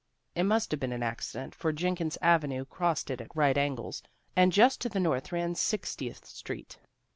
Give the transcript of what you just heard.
It must have been an accident, for Jenkins Avenue crossed it at right angles, and just to the north ran Sixtieth Street.